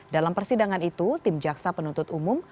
dalam persidangan itu tim jaksa penuntut umum